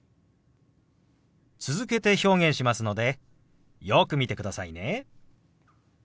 続けて表現しますのでよく見てくださいね。